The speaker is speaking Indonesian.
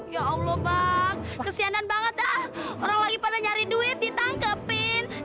ya allah bang kesianan banget dah orang lagi pada nyari duit ditangkapin